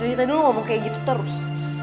dari tadi lo ngomong kayak gitu terus